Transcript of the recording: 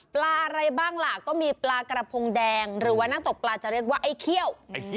อะไรบ้างล่ะก็มีปลากระพงแดงหรือว่านั่งตกปลาจะเรียกว่าไอ้เขี้ยว